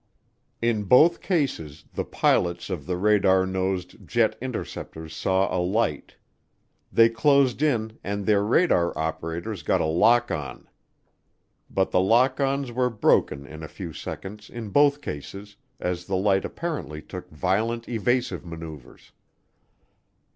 In both cases the pilots of the radar nosed jet interceptors saw a light; they closed in and their radar operators got a lock on. But the lock ons were broken in a few seconds, in both cases, as the light apparently took violent evasive maneuvers.